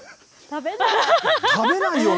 食べないよね。